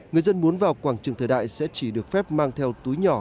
người dân muốn vào quảng trường thời đại sẽ chỉ được phép mang theo túi nhỏ